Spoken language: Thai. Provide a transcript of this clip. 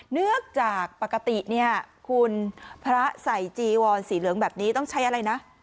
เนื่องจากปกติเนี่ยคุณพระใส่จีวอนสีเหลืองแบบนี้ต้องใช้อะไรนะ